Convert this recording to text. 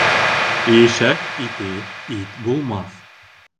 Ишәк ите ит булмаҫ.